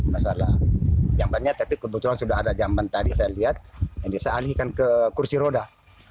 masalah jambannya tapi kebetulan sudah ada jamban tadi saya lihat yang dialihkan ke kursi roda